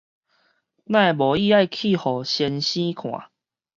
哪會無愛去予先生看？